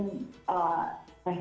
bagaimana menurut kalian